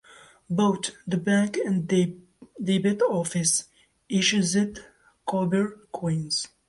Both the Bank and Debt Office issued copper coins.